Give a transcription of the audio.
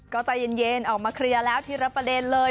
ก็ใจเย็นออกมาเคลียร์แล้วทีละประเด็นเลย